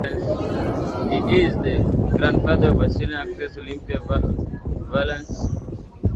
He is the grandfather of Australian actress Olympia Valance.